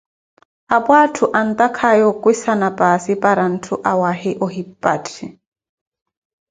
Apo atthu antakhakaye okwisana paasi para ntthu awaahi ohipathi.